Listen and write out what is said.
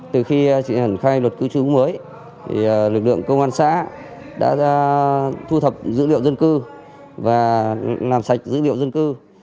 từ khi chị hẩn khai luật cư trú mới lực lượng công an xã đã thu thập dữ liệu dân cư và làm sạch dữ liệu dân cư